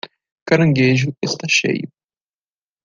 Caranguejo está cheio